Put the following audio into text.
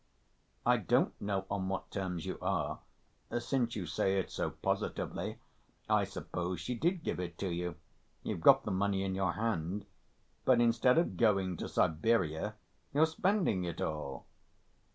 "I don't know on what terms you are ... since you say it so positively, I suppose she did give it to you. You've got the money in your hand, but instead of going to Siberia you're spending it all....